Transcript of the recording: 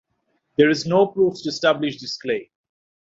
There is no proof to establish this claim.